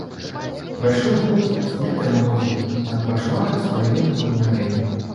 Прайшоў год з дня перамогі над пачварай з паралельнага вымярэння.